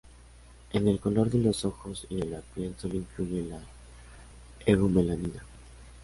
En el color de los ojos y de la piel sólo influye la eumelanina.